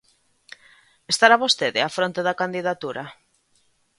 Estará vostede á fronte da candidatura?